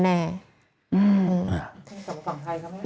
อืม